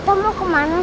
tak ada sakit